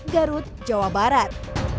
garut jawa barat